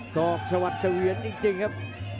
ศอกชวัดเฉวียนจริงครับ